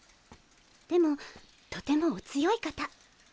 でもとてもお強い方。